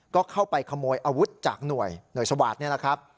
ก็เข้าไปขโมยอาวุธจากหน่วยหน่วยสวาสนี่นะครับ